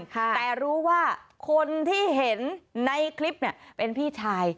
แต่รู้ว่าคนที่เห็นในคลิปเนี่ยเป็นพี่ชาย